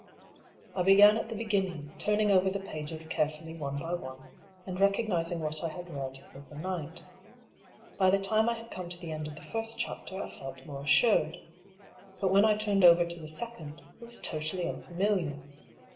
I began at the beginning, turning over the pages carefully one by one, and recognising what I had read overnight. By the time I had come to the end of the first chapter I felt more assured. But when I turned over to the second, it was totally unfamiliar.